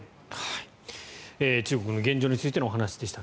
中国の現状についてのお話でした。